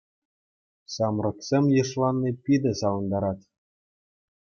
Ҫамрӑксем йышланни питӗ савӑнтарать.